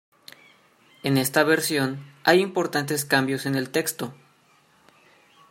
En esta versión hay importantes cambios en el texto.